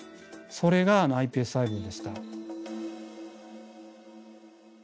それがｉＰＳ細胞でした。